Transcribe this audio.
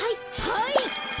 はい！